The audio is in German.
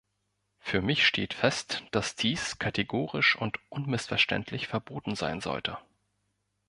Für mich steht fest, dass dies kategorisch und unmissverständlich verboten sein sollte.